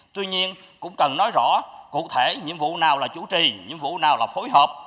tuy nhiên cũng cần nói rõ cụ thể nhiệm vụ nào là chủ trì nhiệm vụ nào là phối hợp